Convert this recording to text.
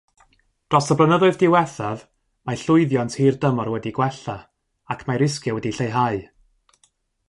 Dros y blynyddoedd diwethaf, mae llwyddiant hirdymor wedi gwella ac mae risgiau wedi lleihau.